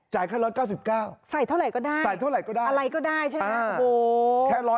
จ่ายแค่๑๙๙ใส่เท่าไหร่ก็ได้อะไรก็ได้ใช่ไหมโอ้โห